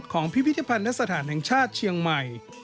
พิพิธภัณฑ์และสถานแห่งชาติเชียงใหม่